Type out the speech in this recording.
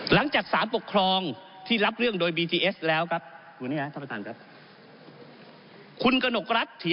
หลังจากสามปกครองที่รับเรื่องโดยบีที่เอสแล้วครับคุณนี่